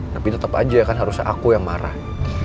tapi tetap aja kan harusnya aku yang marah